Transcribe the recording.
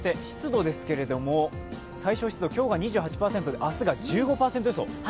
湿度ですけれども、最小湿度今日が２８％で明日が１５％予想。